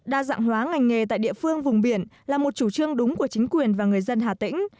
đa dạng hóa ngành nghề tại địa phương vùng biển là một chủ trương đúng của chính quyền và người dân hà tĩnh